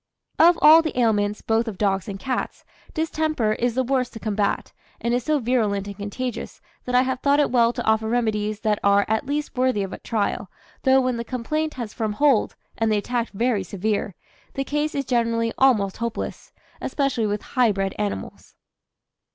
Of all the ailments, both of dogs and cats, distemper is the worst to combat, and is so virulent and contagious that I have thought it well to offer remedies that are at least worthy of a trial, though when the complaint has firm hold, and the attack very severe, the case is generally almost hopeless, especially with high bred animals.